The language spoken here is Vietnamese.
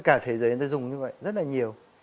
cả thế giới người ta dùng như vậy rất là nhiều